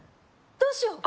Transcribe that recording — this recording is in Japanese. どうしよう